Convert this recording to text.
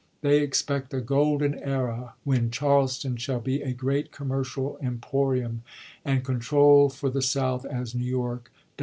They expect a Huribut to golden era, when Charleston shall be a great commercial Report,' emporium and control for the South, as New York does Mar.